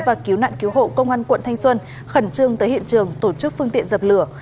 và cứu nạn cứu hộ công an quận thanh xuân khẩn trương tới hiện trường tổ chức phương tiện dập lửa